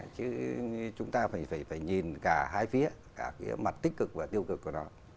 chứ chúng ta phải nhìn cả hai phía cả cái mặt tích cực và tiêu cực của nó